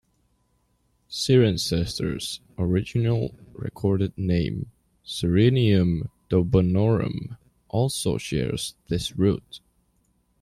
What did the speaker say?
Cirencester's original recorded name Corinium Dobunnorum also shares this root.